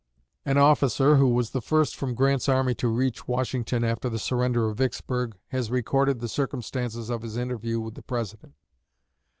An officer who was the first from Grant's army to reach Washington after the surrender of Vicksburg, has recorded the circumstances of his interview with the President.